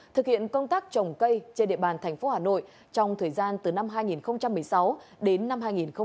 thực hiện công tác trồng cây trên địa bàn thành phố hà nội trong thời gian từ năm hai nghìn một mươi sáu đến năm hai nghìn một mươi chín